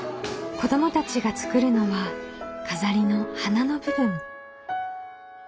子どもたちが作るのは飾りの花の部分。